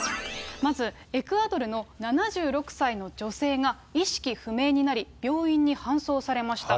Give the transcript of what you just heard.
まず、エクアドルの７６歳の女性が意識不明になり、病院に搬送されました。